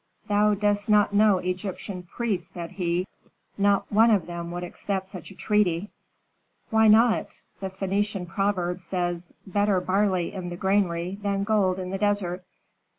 "Thou dost not know Egyptian priests," said he; "not one of them would accept such a treaty." "Why not? The Phœnician proverb says: 'Better barley in the granary than gold in the desert.'